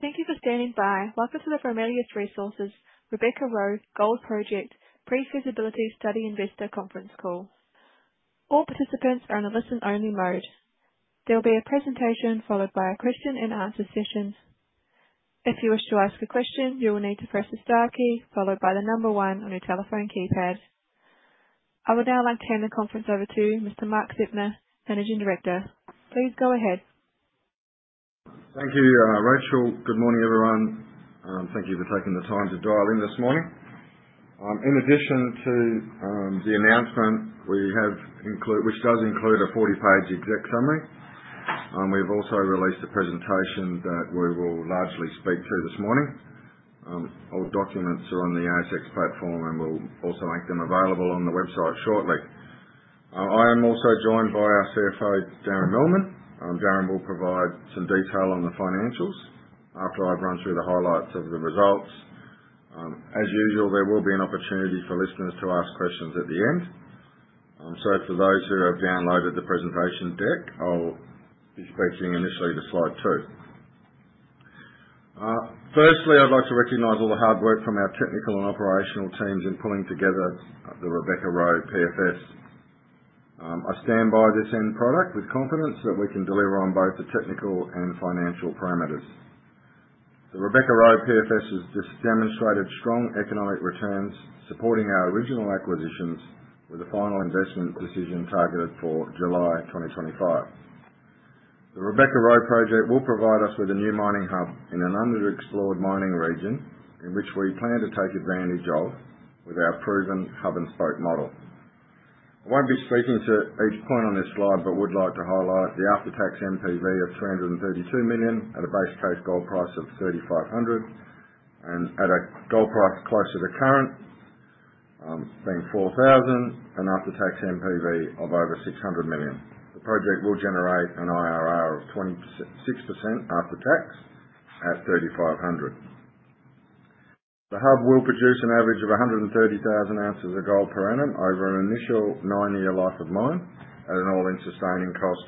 Thank you for standing by. Welcome to the Ramelius Resources Rebecca-Roe Gold Project Pre-Feasibility Study Investor Conference Call. All participants are in a listen-only mode. There will be a presentation followed by a question-and-answer session. If you wish to ask a question, you will need to press the star key followed by the number one on your telephone keypad. I would now like to turn the conference over to Mr. Mark Zeptner, Managing Director. Please go ahead. Thank you, Rachel. Good morning, everyone. Thank you for taking the time to dial in this morning. In addition to the announcement, which does include a 40-page exec summary, we've also released a presentation that we will largely speak to this morning. All documents are on the ASX platform, and we'll also make them available on the website shortly. I am also joined by our CFO, Darren Millman. Darren will provide some detail on the financials after I've run through the highlights of the results. As usual, there will be an opportunity for listeners to ask questions at the end. So for those who have downloaded the presentation deck, I'll be speaking initially to slide two. Firstly, I'd like to recognize all the hard work from our technical and operational teams in pulling together the Rebecca and Roe PFS. I stand by this end product with confidence that we can deliver on both the technical and financial parameters. The Rebecca Roe PFS has just demonstrated strong economic returns, supporting our original acquisitions with a final investment decision targeted for July 2025. The Rebecca Roe project will provide us with a new mining hub in an underexplored mining region in which we plan to take advantage of with our proven hub-and-spoke model. I won't be speaking to each point on this slide, but would like to highlight the after-tax NPV of 332 million at a base case gold price of 3,500, and at a gold price closer to current being 4,000, an after-tax NPV of over 600 million. The project will generate an IRR of 26% after-tax at 3,500. The hub will produce an average of 130,000 ounces of gold per annum over an initial nine-year life of mine at an all-in sustaining cost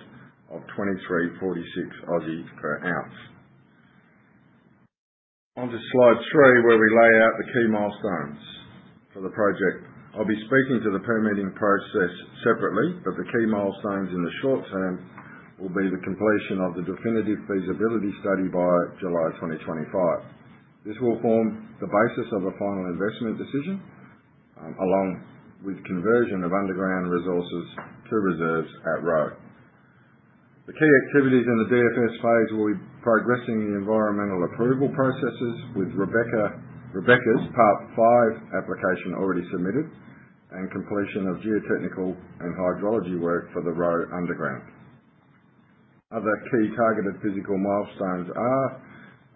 of 2,346 per ounce. Onto slide three, where we lay out the key milestones for the project. I'll be speaking to the permitting process separately, but the key milestones in the short term will be the completion of the definitive feasibility study by July 2025. This will form the basis of a final investment decision along with conversion of underground resources to reserves at Roe. The key activities in the DFS phase will be progressing the environmental approval processes with Rebecca's Part V application already submitted and completion of geotechnical and hydrology work for the Roe underground. Other key targeted physical milestones are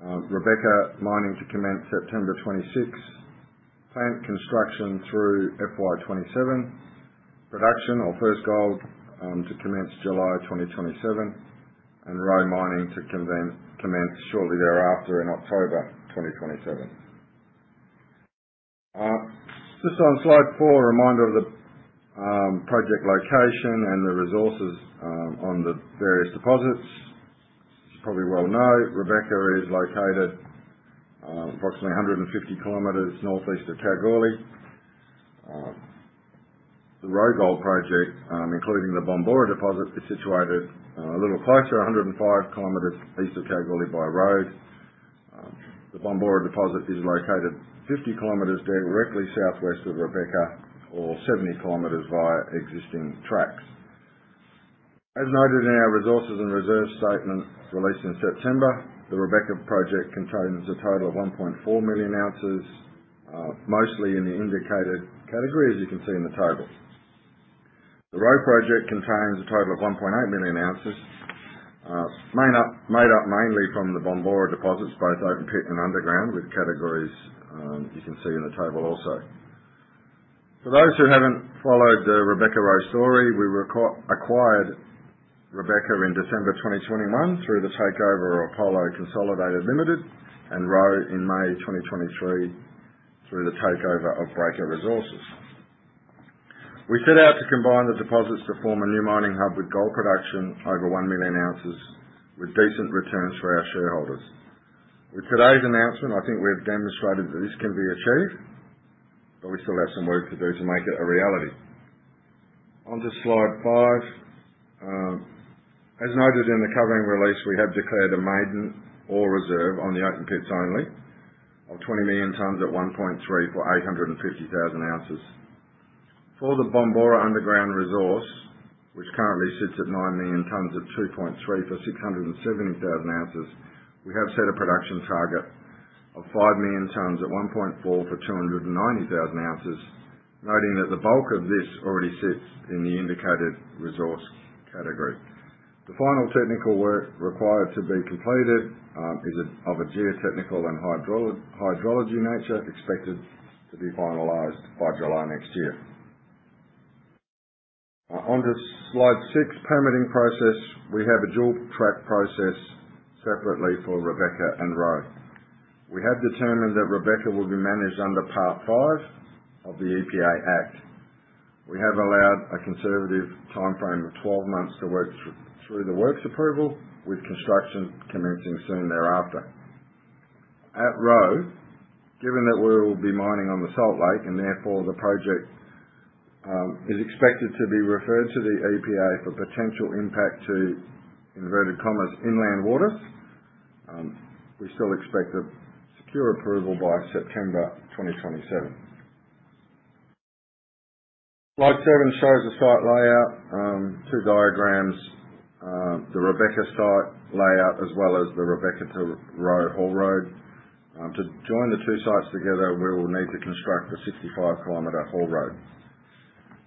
Rebecca mining to commence September 26, plant construction through FY 2027, production or first gold to commence July 2027, and Roe mining to commence shortly thereafter in October 2027. Just on slide four, a reminder of the project location and the resources on the various deposits. As you probably well know, Rebecca is located approximately 150 km northeast of Kalgoorlie. The Roe gold project, including the Bombora deposit, is situated a little closer, 105 km east of Kalgoorlie by road. The Bombora deposit is located 50 km directly southwest of Rebecca or 70 km via existing tracks. As noted in our resources and reserve statement released in September, the Rebecca project contains a total of 1.4 million ounces, mostly in the indicated category, as you can see in the table. The Roe project contains a total of 1.8 million ounces, made up mainly from the Bombora deposits, both open pit and underground, with categories you can see in the table also. For those who haven't followed the Rebecca Roe story, we acquired Rebecca in December 2021 through the takeover of Apollo Consolidated Limited and Roe in May 2023 through the takeover of Breaker Resources. We set out to combine the deposits to form a new mining hub with gold production over 1 million ounces, with decent returns for our shareholders. With today's announcement, I think we've demonstrated that this can be achieved, but we still have some work to do to make it a reality. Onto slide five. As noted in the covering release, we have declared a maiden ore reserve on the open pits only of 20 million tons at 1.3 for 850,000 ounces. For the Bombora underground resource, which currently sits at 9 million tons at 2.3 for 670,000 ounces, we have set a production target of 5 million tons at 1.4 for 290,000 ounces, noting that the bulk of this already sits in the indicated resource category. The final technical work required to be completed is of a geotechnical and hydrology nature, expected to be finalized by July next year. Onto slide six, permitting process. We have a dual-track process separately for Rebecca and Roe. We have determined that Rebecca will be managed under Part V of the EPA Act. We have allowed a conservative timeframe of 12 months to work through the works approval, with construction commencing soon thereafter. At Roe, given that we will be mining on the Salt Lake and therefore the project is expected to be referred to the EPA for potential impact to inland waters, we still expect a secure approval by September 2027. Slide seven shows the site layout, two diagrams, the Rebecca site layout, as well as the Rebecca to Roe haul road. To join the two sites together, we will need to construct the 65 km haul road.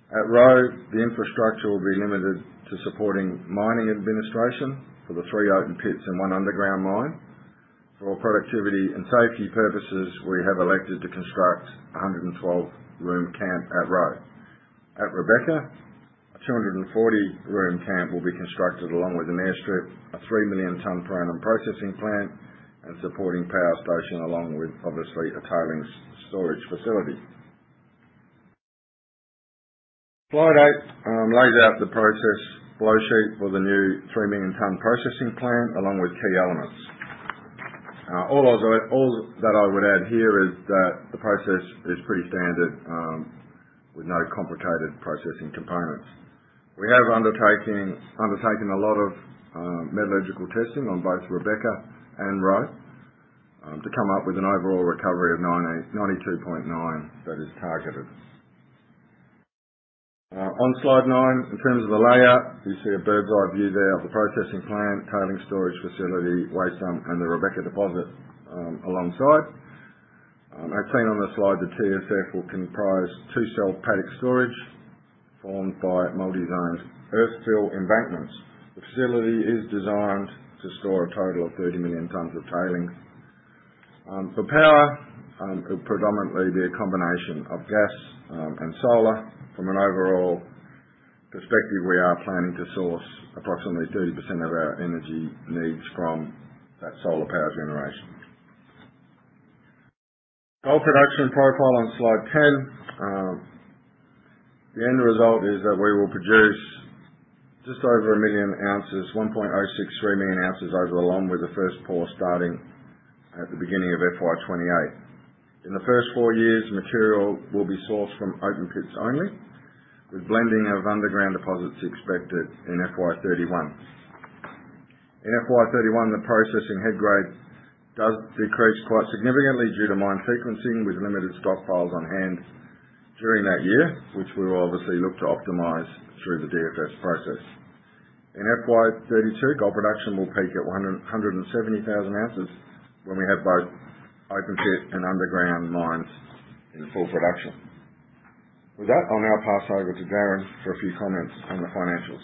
At Roe, the infrastructure will be limited to supporting mining administration for the three open pits and one underground mine. For productivity and safety purposes, we have elected to construct a 112-room camp at Roe. At Rebecca, a 240-room camp will be constructed along with an airstrip, a 3 million-ton-per-annum processing plant, and supporting power station along with, obviously, a tailings storage facility. Slide eight lays out the process flow sheet for the new 3-million-ton processing plant, along with key elements. All that I would add here is that the process is pretty standard with no complicated processing components. We have undertaken a lot of metallurgical testing on both Rebecca and Roe to come up with an overall recovery of 92.9% that is targeted. On slide nine, in terms of the layout, you see a bird's-eye view there of the processing plant, tailings storage facility, waste dump, and the Rebecca deposit alongside. As seen on the slide, the TSF will comprise two-cell paddock storage formed by multi-zone earthfill embankments. The facility is designed to store a total of 30 million tons of tailings. For power, it will predominantly be a combination of gas and solar. From an overall perspective, we are planning to source approximately 30% of our energy needs from that solar power generation. Gold production profile on slide ten. The end result is that we will produce just over a million ounces, 1.063 million ounces over the long with the first pour starting at the beginning of FY 2028. In the first four years, material will be sourced from open pits only, with blending of underground deposits expected in FY 2031. In FY 2031, the processing head grade does decrease quite significantly due to mine sequencing with limited stockpiles on hand during that year, which we will obviously look to optimize through the DFS process. In FY 2032, gold production will peak at 170,000 ounces when we have both open pit and underground mines in full production. With that, I'll now pass over to Darren for a few comments on the financials.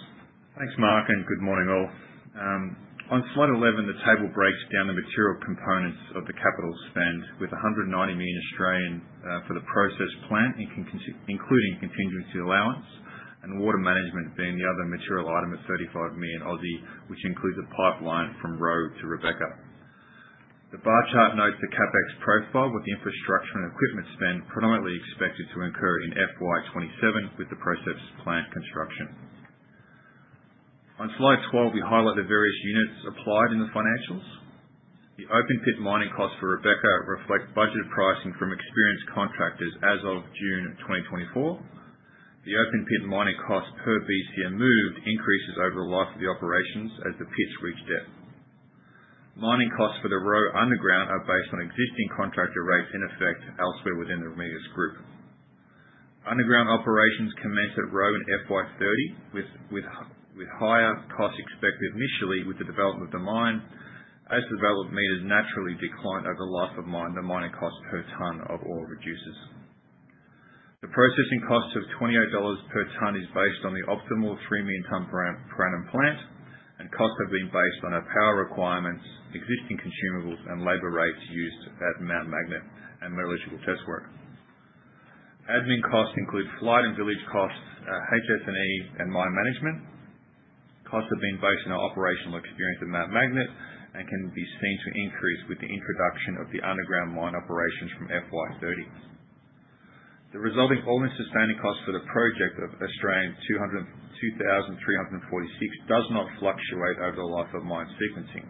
Thanks, Mark, and good morning, all. On slide 11, the table breaks down the material components of the capital spend with 190 million for the processing plant, including contingency allowance and water management being the other material item at 35 million, which includes a pipeline from Roe to Rebecca. The bar chart notes the CapEx profile with the infrastructure and equipment spend predominantly expected to incur in FY 27 with the processing plant construction. On slide 12, we highlight the various units applied in the financials. The open pit mining costs for Rebecca reflect budget pricing from experienced contractors as of June 2024. The open pit mining costs per BCM moved increases over the life of the operations as the pits reach depth. Mining costs for the Roe underground are based on existing contractor rates in effect elsewhere within the Ramelius Group. Underground operations commence at Roe in FY 30 with higher costs expected initially with the development of the mine. As the development meters naturally decline over the life of mine, the mining cost per ton of ore reduces. The processing cost of 28 dollars per ton is based on the optimal 3 million ton per annum plant, and costs have been based on our power requirements, existing consumables, and labor rates used at Mount Magnet and metallurgical test work. Admin costs include flight and village costs, HS&E, and mine management. Costs have been based on our operational experience at Mount Magnet and can be seen to increase with the introduction of the underground mine operations from FY 30. The resulting all-in sustaining cost for the project of 2,346 does not fluctuate over the life of mine sequencing.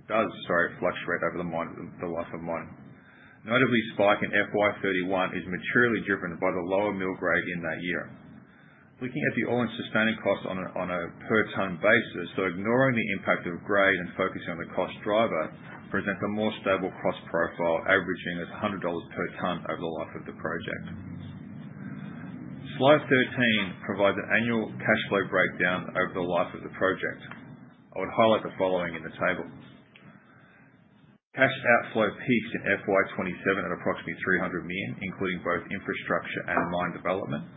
It does, sorry, fluctuate over the life of mine. Notably, spike in FY 31 is materially driven by the lower mill grade in that year. Looking at the all-in sustaining cost on a per ton basis, so ignoring the impact of grade and focusing on the cost driver, presents a more stable cost profile averaging at 100 dollars per ton over the life of the project. Slide 13 provides an annual cash flow breakdown over the life of the project. I would highlight the following in the table. Cash outflow peaks in FY 27 at approximately 300 million, including both infrastructure and mine development.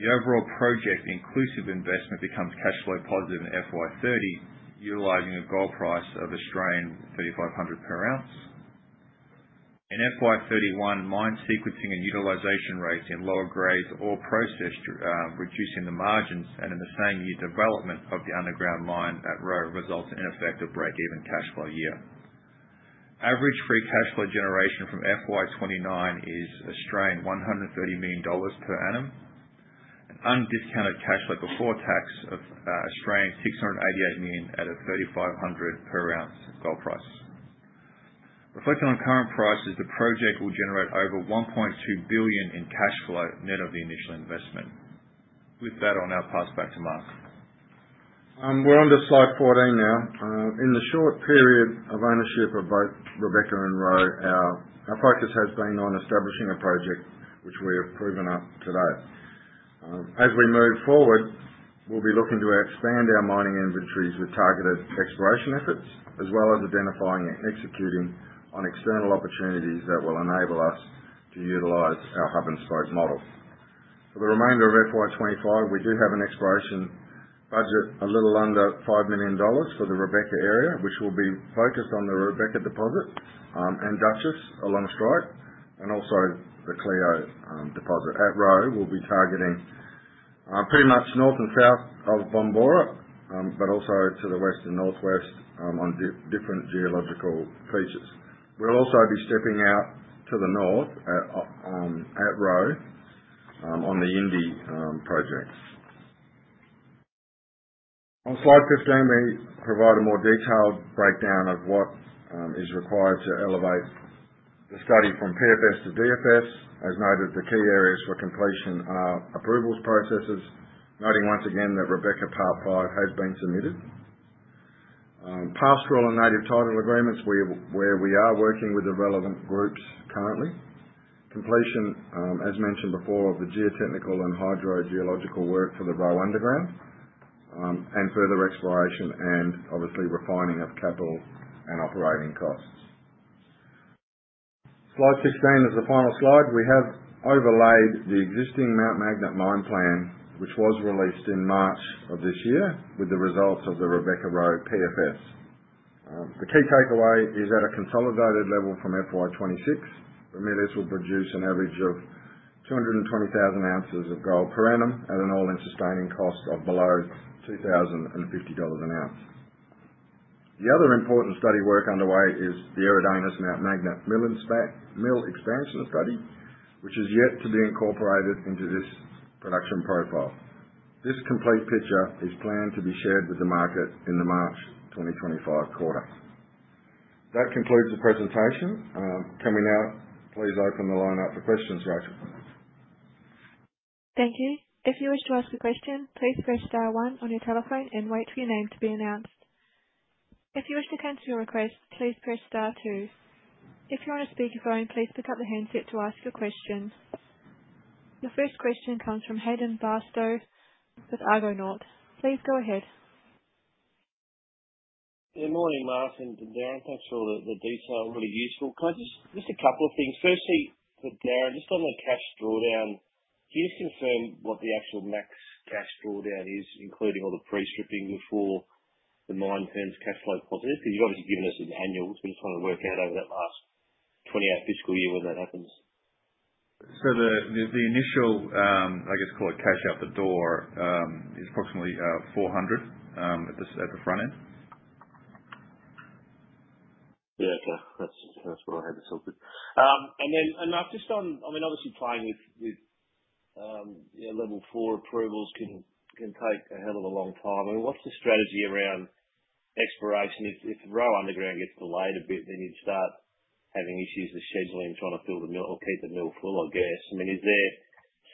The overall project inclusive investment becomes cash flow positive in FY 30, utilizing a gold price of 3,500 per ounce. In FY 31, mine sequencing and utilization rates in lower grades or processed reducing the margins and in the same year, development of the underground mine at Roe results in effective break-even cash flow year. Average free cash flow generation from FY 29 is 130 million Australian dollars per annum. An undiscounted cash flow before tax of 688 million Australian dollars at a $3,500 per ounce gold price. Reflecting on current prices, the project will generate over 1.2 billion in cash flow net of the initial investment. With that, I'll now pass back to Mark. We're on to slide 14 now. In the short period of ownership of both Rebecca and Roe, our focus has been on establishing a project, which we have proven up today. As we move forward, we'll be looking to expand our mining inventories with targeted exploration efforts, as well as identifying and executing on external opportunities that will enable us to utilize our hub-and-spoke model. For the remainder of FY 25, we do have an exploration budget a little under 5 million dollars for the Rebecca area, which will be focused on the Rebecca deposit and Duchess along strike, and also the Cleo deposit. At Roe, we'll be targeting pretty much north and south of Bombora, but also to the west and northwest on different geological features. We'll also be stepping out to the north at Roe on the Yindi projects. On slide 15, we provide a more detailed breakdown of what is required to elevate the study from PFS to DFS. As noted, the key areas for completion are approvals processes, noting once again that Rebecca Part V has been submitted. Pastoral and Native Title agreements where we are working with the relevant groups currently. Completion, as mentioned before, of the geotechnical and hydrogeological work for the Roe underground and further exploration and obviously refining of capital and operating costs. Slide 16 is the final slide. We have overlaid the existing Mount Magnet mine plan, which was released in March of this year, with the results of the Rebecca Roe PFS. The key takeaway is at a consolidated level from FY 26, Ramelius will produce an average of 220,000 ounces of gold per annum at an all-in sustaining cost of below 2,050 dollars an ounce. The other important study work underway is the Eridanus Mount Magnet mill expansion study, which is yet to be incorporated into this production profile. This complete picture is planned to be shared with the market in the March 2025 quarter. That concludes the presentation. Can we now please open the line up for questions, Rachel? Thank you. If you wish to ask a question, please press star one on your telephone and wait for your name to be announced. If you wish to cancel your request, please press star two. If you're on a speakerphone, please pick up the handset to ask your question. Your first question comes from Hayden Bairstow with Argonaut. Please go ahead. Good morning, Mark, and Darren, thanks for the detail. Really useful. Just a couple of things. Firstly, for Darren, just on the cash drawdown, can you just confirm what the actual max cash drawdown is, including all the pre-stripping before the mine turns cash flow positive? Because you've obviously given us an annual, so we just want to work out over that last 28 fiscal year when that happens. The initial, I guess, call it cash out the door is approximately 400 at the front end. Yeah, okay. That's what I had to talk with. And then just on, I mean, obviously playing with Part IV approvals can take a hell of a long time. I mean, what's the strategy around exploration? If Roe underground gets delayed a bit, then you'd start having issues with scheduling, trying to fill the mill or keep the mill full, I guess. I mean, is there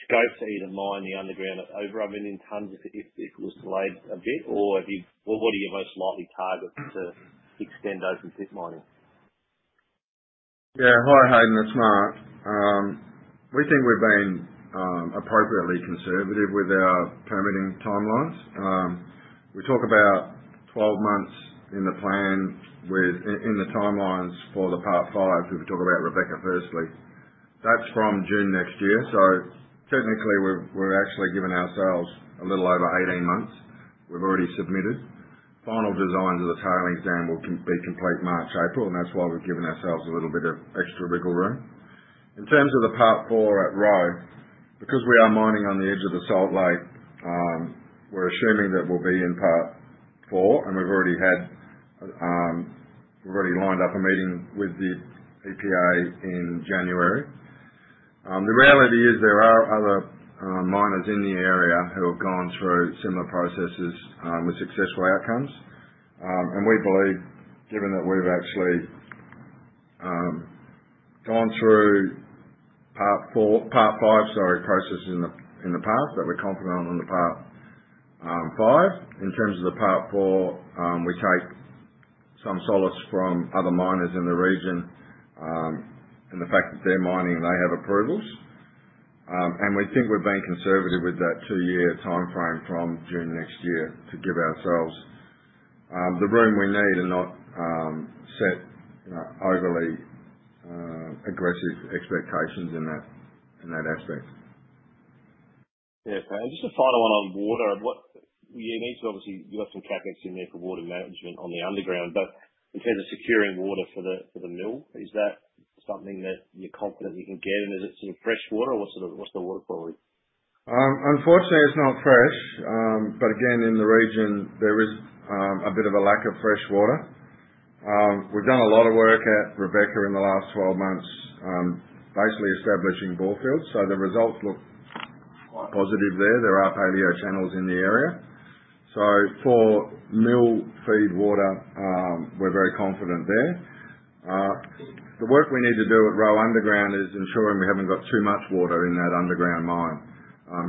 scope to either mine the underground over 100 million tons if it was delayed a bit? Or what are your most likely targets to extend open pit mining? Yeah. Hi, Hayden. It's Mark. We think we've been appropriately conservative with our permitting timelines. We talk about 12 months in the plan within the timelines for the Part V, if we talk about Rebecca firstly. That's from June next year. So technically, we're actually giving ourselves a little over 18 months. We've already submitted. Final designs of the tailings dam will be complete March, April, and that's why we've given ourselves a little bit of extra wiggle room. In terms of the Part IV at Roe, because we are mining on the edge of the salt lake, we're assuming that we'll be in Part IV, and we've already lined up a meeting with the EPA in January. The reality is there are other miners in the area who have gone through similar processes with successful outcomes. We believe, given that we've actually gone through Part V, sorry, processes in the past, that we're confident on the Part V. In terms of the Part IV, we take some solace from other miners in the region and the fact that they're mining and they have approvals. We think we've been conservative with that two-year timeframe from June next year to give ourselves the room we need and not set overly aggressive expectations in that aspect. Yeah, okay. And just a final one on water. Yeah, it needs to obviously, you've got some CapEx in there for water management on the underground, but in terms of securing water for the mill, is that something that you're confident you can get? And is it sort of fresh water or what's the water quality? Unfortunately, it's not fresh. But again, in the region, there is a bit of a lack of fresh water. We've done a lot of work at Rebecca in the last 12 months, basically establishing borefields. So the results look quite positive there. There are paleo channels in the area. So for mill feed water, we're very confident there. The work we need to do at Roe underground is ensuring we haven't got too much water in that underground mine,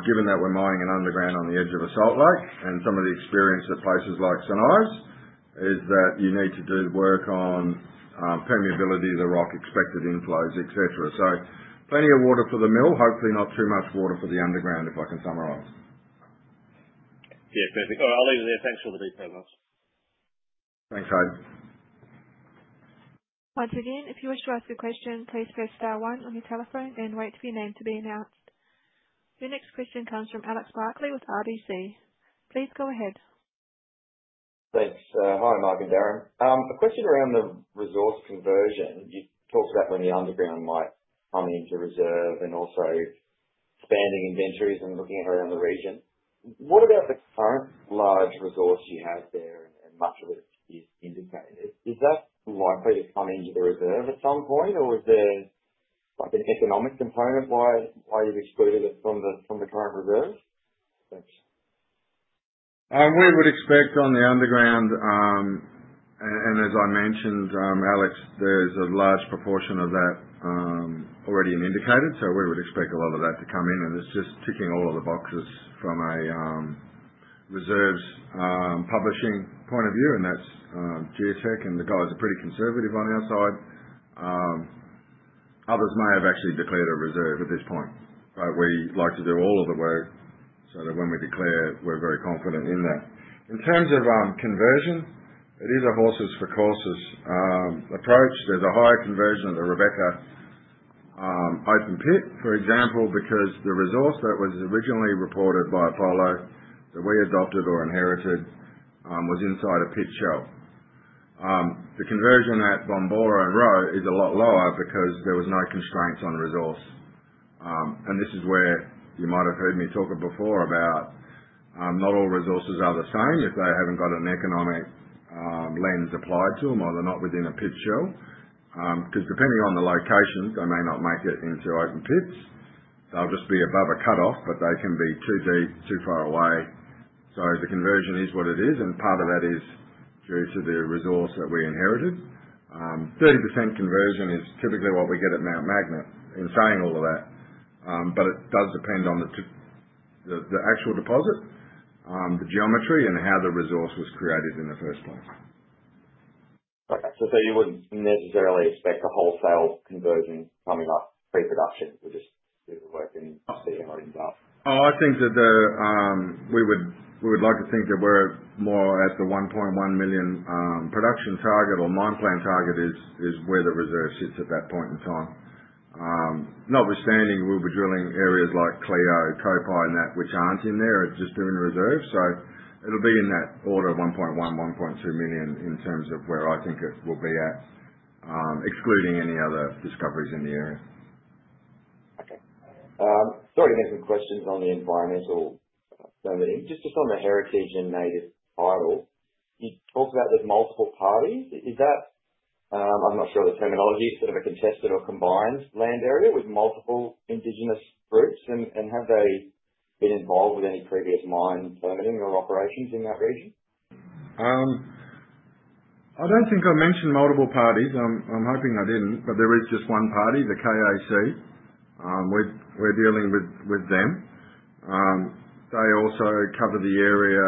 given that we're mining an underground on the edge of a salt lake. And some of the experience at places like St Ives is that you need to do work on permeability of the rock, expected inflows, etc. So plenty of water for the mill, hopefully not too much water for the underground, if I can summarize. Yeah, perfect. All right, I'll leave it there. Thanks for all the details, Alex. Thanks, Hayden. Once again, if you wish to ask a question, please press star one on your telephone and wait for your name to be announced. Your next question comes from Alex Barkley with RBC. Please go ahead. Thanks. Hi, Mark and Darren. A question around the resource conversion. You talked about when the underground might come into reserve and also open pit inventories and looking around the region. What about the current large resource you have there and much of it is indicated? Is that likely to come into the reserve at some point, or is there an economic component why you've excluded it from the current reserve? We would expect on the underground, and as I mentioned, Alex, there's a large proportion of that already indicated, so we would expect a lot of that to come in, and it's just ticking all of the boxes from a reserves publishing point of view, and that's Geotech, and the guys are pretty conservative on our side. Others may have actually declared a reserve at this point, but we like to do all of the work so that when we declare, we're very confident in that. In terms of conversion, it is a horses for courses approach. There's a higher conversion at the Rebecca open pit, for example, because the resource that was originally reported by Apollo that we adopted or inherited was inside a pit shell. The conversion at Bombora and Roe is a lot lower because there were no constraints on resource. This is where you might have heard me talk before about not all resources are the same if they haven't got an economic lens applied to them or they're not within a pit shell. Because depending on the location, they may not make it into open pits. They'll just be above a cutoff, but they can be too deep, too far away. So the conversion is what it is, and part of that is due to the resource that we inherited. 30% conversion is typically what we get at Mount Magnet. In saying all of that, but it does depend on the actual deposit, the geometry, and how the resource was created in the first place. Okay. So you wouldn't necessarily expect a wholesale conversion coming up pre-production? You would just do the work and see how it ends up? Oh, I think that we would like to think that we're more at the 1.1 million production target or mine plan target is where the reserve sits at that point in time. Notwithstanding, we'll be drilling areas like Cleo, Kopai, and that which aren't in there are just doing reserve. So it'll be in that order of 1.1, 1.2 million in terms of where I think it will be at, excluding any other discoveries in the area. Okay. Sorry, I had some questions on the environmental domain. Just on the heritage and native title, you talked about there's multiple parties. Is that, I'm not sure of the terminology, sort of a contested or combined land area with multiple indigenous groups? And have they been involved with any previous mine permitting or operations in that region? I don't think I mentioned multiple parties. I'm hoping I didn't, but there is just one party, the KAC. We're dealing with them. They also cover the area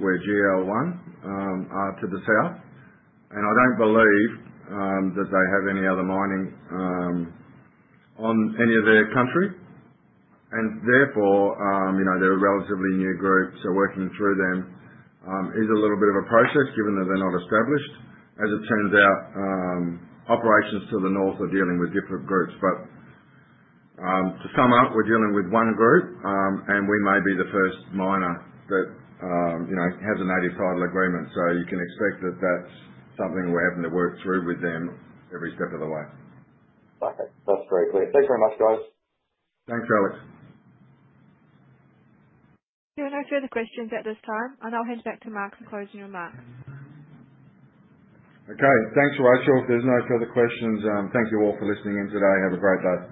where GL1 are to the south. And I don't believe that they have any other mining on any of their country. And therefore, they're a relatively new group, so working through them is a little bit of a process given that they're not established. As it turns out, operations to the north are dealing with different groups. But to sum up, we're dealing with one group, and we may be the first miner that has a native title agreement. So you can expect that that's something we're having to work through with them every step of the way. Okay. That's very clear. Thanks very much, guys. Thanks, Alex. There are no further questions at this time. And I'll hand back to Mark for closing remarks. Okay. Thanks, Rachel. If there's no further questions, thank you all for listening in today. Have a great day.